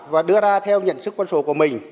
và đưa ra theo nhận chức quân số của mình